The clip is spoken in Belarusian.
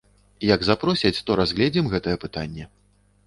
Як запросяць, то разгледзім гэтае пытанне.